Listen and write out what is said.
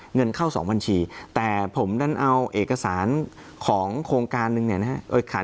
เงินเข้าสองบัญชีแต่ผมดันเอาเอกสารของโครงการนึงเนี่ยนะฮะ